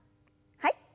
はい。